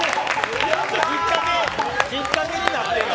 きっかけになってんの？